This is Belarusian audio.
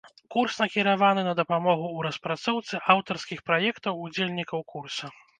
Курс накіраваны на дапамогу ў распрацоўцы аўтарскіх праектаў удзельнікаў курса.